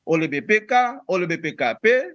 oleh bpk oleh bpkp